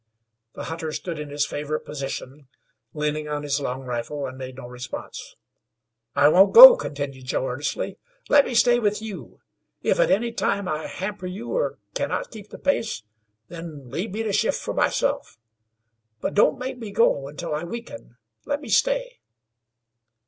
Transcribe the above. The hunter stood in his favorite position, leaning on his long rifle, and made no response. "I won't go," continued Joe, earnestly. "Let me stay with you. If at any time I hamper you, or can not keep the pace, then leave me to shift for myself; but don't make me go until I weaken. Let me stay."